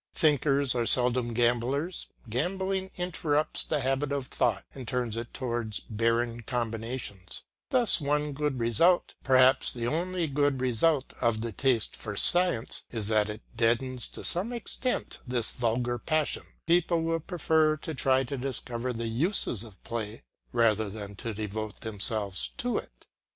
Thinkers are seldom gamblers; gambling interrupts the habit of thought and turns it towards barren combinations; thus one good result, perhaps the only good result of the taste for science, is that it deadens to some extent this vulgar passion; people will prefer to try to discover the uses of play rather than to devote themselves to it.